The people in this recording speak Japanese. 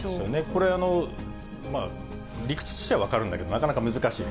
これ、理屈としては、分かるんだけど、なかなか難しい。